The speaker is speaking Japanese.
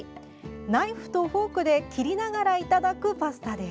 ナイフとフォークで切りながらいただくパスタです。